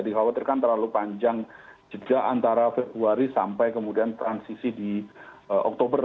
dikhawatirkan terlalu panjang jeda antara februari sampai kemudian transisi di oktober